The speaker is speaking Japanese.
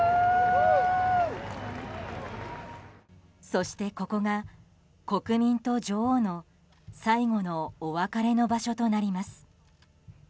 そして、ここが国民と女王の最後のお別れの場所となります。